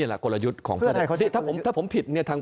ศาสตร์ของโลงพะท